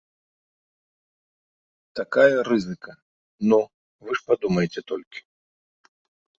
Такая рызыка, ну, вы ж падумайце толькі!